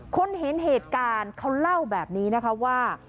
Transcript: คนเห็นเหตุการณ์เขาเล่าแบบนี้นะคะว่า